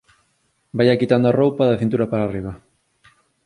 Vaia quitando a roupa da cintura para riba.